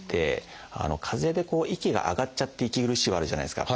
かぜで息が上がっちゃって息苦しいはあるじゃないですか。